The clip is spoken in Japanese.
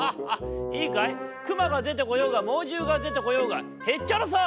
いいかいクマがでてこようがもうじゅうがでてこようがへっちゃらさ！」。